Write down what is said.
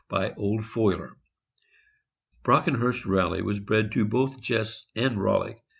by Old Foiler. Brocken hurst Rally was bred to both Jess and Rollick.